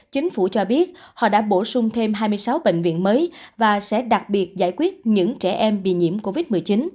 chính phủ cho biết họ đã bổ sung thêm hai mươi sáu bệnh viện mới và sẽ đặc biệt giải quyết những trẻ em bị nhiễm covid một mươi chín